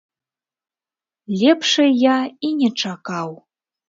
Лепшай я і не чакаў!